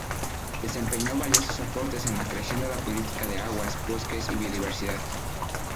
Desempeñó valiosos aportes en la creación de la política de Aguas, Bosques y Biodiversidad.